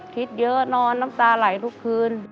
คิดเยอะนอนน้ำตาไหลทุกคืน